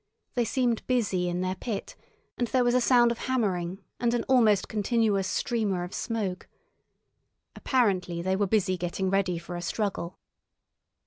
They seemed busy in their pit, and there was a sound of hammering and an almost continuous streamer of smoke. Apparently they were busy getting ready for a struggle.